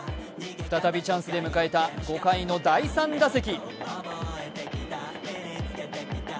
再びチャンスで迎えた５回の第３打席。